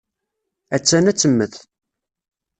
Ha-tt-an ad temmet.